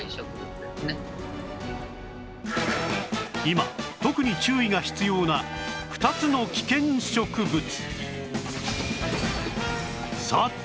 今特に注意が必要な２つの危険植物